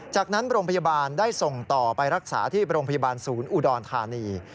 จากนั้นโรงพยาบาลได้ส่งต่อไปรักษาที่โรงพยาบาลศูนย์อุดรธานี